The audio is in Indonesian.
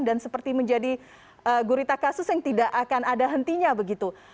dan seperti menjadi gurita kasus yang tidak akan ada hentinya begitu